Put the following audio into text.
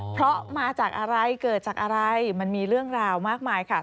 เพราะมาจากอะไรเกิดจากอะไรมันมีเรื่องราวมากมายค่ะ